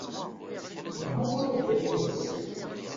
Yeggumma ad yali wass.